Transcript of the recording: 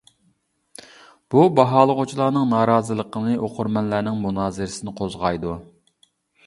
بۇ باھالىغۇچىلارنىڭ نارازىلىقىنى، ئوقۇرمەنلەرنىڭ مۇنازىرىسىنى قوزغايدۇ.